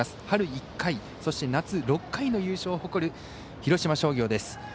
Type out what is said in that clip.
春１回、そして夏６回の優勝を誇る広島商業です。